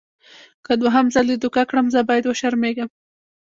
که دوهم ځل دې دوکه کړم زه باید وشرمېږم.